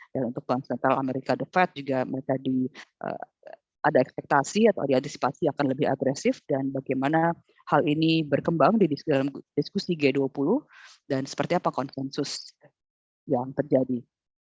dan untuk bank sentral amerika the fed juga mereka ada ekspektasi atau diantisipasi akan lebih agresif dan bagaimana hal ini berkembang di dalam diskusi g dua puluh dan seperti apa konsensus yang terjadi